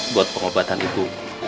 buat pengobatan ibu